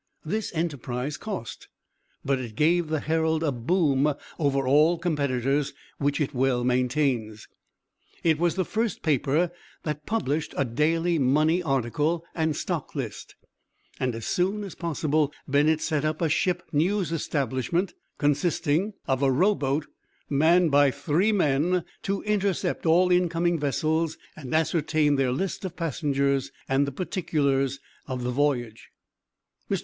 This enterprise cost, but it gave the Herald a boom over all competitors, which it well maintains. It was the first paper that published a daily money article and stock list, and as soon as possible Bennett set up a Ship News establishment consisting of a row boat manned by three men to intercept all incoming vessels and ascertain their list of passengers and the particulars of the voyage. Mr.